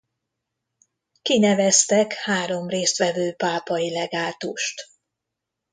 Kineveztek három részt vevő pápai legátust.